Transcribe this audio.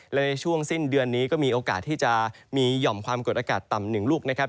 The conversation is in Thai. และในช่วงสิ้นเดือนนี้ก็มีโอกาสที่จะมีหย่อมความกดอากาศต่ำ๑ลูกนะครับ